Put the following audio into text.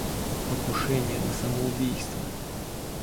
Покушение на самоубийство.